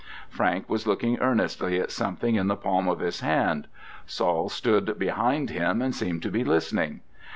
Frank was looking earnestly at something in the palm of his hand. Saul stood behind him and seemed to be listening.